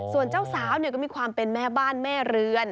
ส่วนเจ้าสาวก็มีความเป็นแม่บ้านแม่เรือน